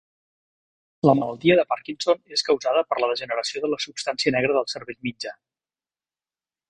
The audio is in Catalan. La malaltia de Parkinson és causada per la degeneració de la substància negra del cervell mitjà.